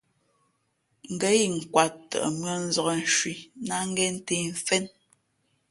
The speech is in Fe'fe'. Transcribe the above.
Ngά inkwāt tαʼ mʉ̄ᾱ nzǎk nshwī ná ngěn ntē mfén.